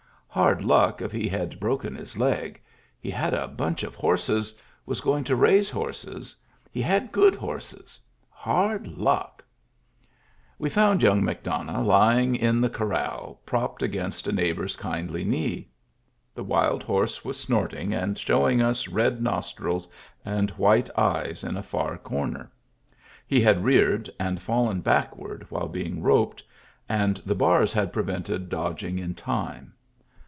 Hard luck if he had broken his Digitized by Google THE GIFT HORSE 163 leg; he had a bunch of horses; was going to raise horses ; he had good horses. Hard luck I We found young McDonough lying in the corral, propped against a neighbor's kindly knee. The wild horse was snorting and showing us red nostrils and white eyes in a far comer; he had reared and fallen backward while being roped, and the bars had prevented dodging in time.